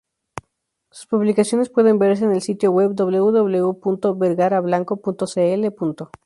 Sus publicaciones pueden verse en el sitio web www.vergarablanco.cl.